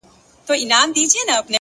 • چي خمار ومه راغلی میخانه هغسي نه ده ,